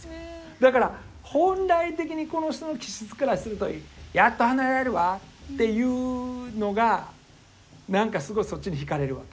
だから本来的にこの人の気質からすると「やっと離れられるわ」っていうのが何かすごいそっちにひかれるわけ。